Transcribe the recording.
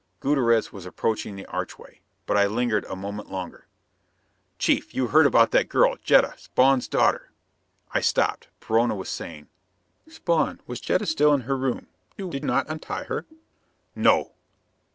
Gutierrez was approaching the archway. But I lingered a moment longer. "Chief, you heard about that girl, Jetta, Spawn's daughter " I stopped. Perona was saying, "Spawn, was Jetta still in her room? You did not untie her?" "No."